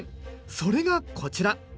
それがこちら！